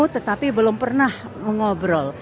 tetapi belum pernah mengobrol